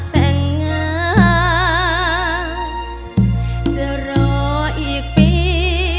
แต่งงานจะรออีกปี